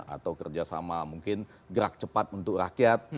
atau kerjasama mungkin gerak cepat untuk rakyat